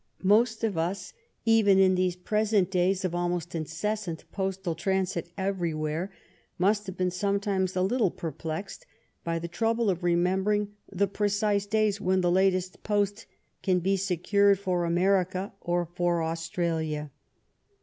Most of us, even in these present days of almost incessant postal transit everywhere, must have been sometimes a little perplexed by the trouble of remem bering the precise days when the latest post can be secured for America or for Australia.